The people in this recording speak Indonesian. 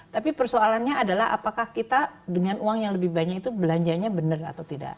tapi persoalannya adalah apakah kita dengan uang yang lebih banyak itu belanjanya benar atau tidak